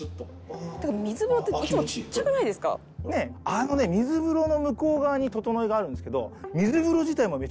あのね水風呂の向こう側にととのいがあるんですけどええー！